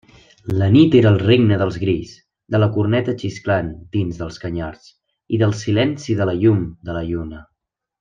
La nit era el regne dels grills, de la corneta xisclant dins dels canyars i del silenci de la llum de la lluna.